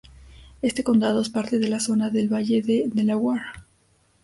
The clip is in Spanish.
Este condado es parte de la zona del valle de Delaware.